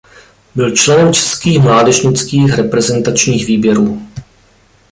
Byl členem českých mládežnických reprezentačních výběrů.